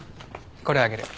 これあげる。